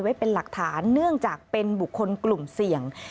ไว้เป็นหลักฐานเนื่องจากเป็นบุคคลกลุ่มเสี่ยง